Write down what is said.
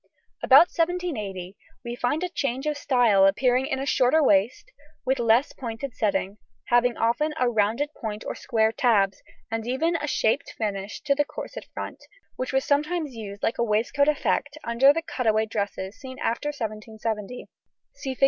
[Illustration: FIG. 100. Period 1780 1795.] About 1780 we find a change of style appearing in a shorter waist, with less pointed setting, having often a rounded point or square tabs, and even a shaped finish to the corset front, which was sometimes used like a waistcoat effect under the cut away dresses seen after 1770 (see Fig.